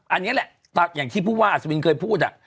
อันนี้แหละอย่างที่ผู้ว่าอัศวินเคยพูด